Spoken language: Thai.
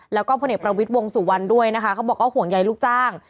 แล้วก็พลเอกประวิทย์วงสุวรรณด้วยนะคะเขาบอกว่าห่วงใยลูกจ้าง